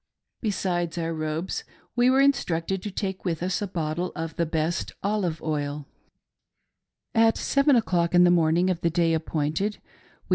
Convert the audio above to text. Besides our robes we were instructed to take with us a bottle of the best olive oil. At seven o'clock in the morning of the day appointed, we INSIDE THE ENDOWMENT HOUSE.